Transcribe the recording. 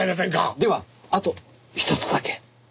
ではあとひとつだけ。